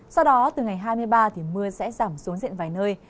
sau đó từ ngày hai mươi ba thì mưa sẽ giảm xuống diện vài nơi